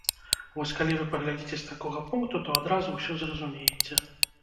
Вось калі вы паглядзіце з такога пункту, то адразу ўсё зразумееце.